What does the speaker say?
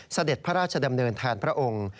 เสด็จพระราชดำเนินแทนพระองค์